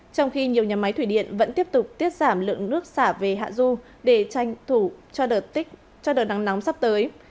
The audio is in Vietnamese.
trong khi nhiều nhà máy thủy điện vẫn tiếp tục tiết giảm lượng nước xả về hạ du để tranh thủ cho đợt nắng nóng sắp tới